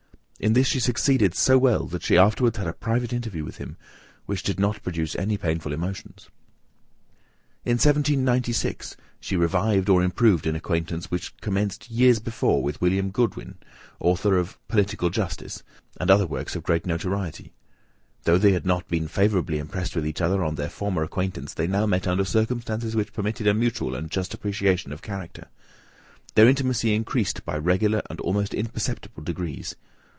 In this she succeeded so well, that she afterwards had a private interview with him, which did not produce any painful emotions. In 1796 she revived or improved an acquaintance which commenced years before with Wm. Godwin, author of "Political Justice," and other works of great notoriety. Though they had not been favourably impressed with each other on their former acquaintance, they now met under circumstances which permitted a mutual and just appreciation of character. Their intimacy increased by regular and almost imperceptible degrees.